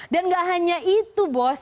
dan gak hanya itu bos